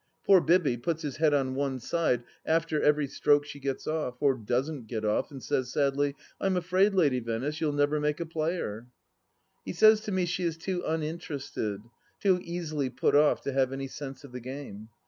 Poor Bibby puts his head on one side after every stroke she gets off — or doesn't get off — ^and says sadly :" I'm afraid. Lady Venice, you'll never make a player 1 " He says to me she is too uninterested, too easily put off, to have any sense of the game.